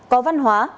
có văn hóa